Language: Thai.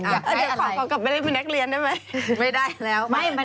พอกลับไปเล่นไปเน็กเรียนได้ไม้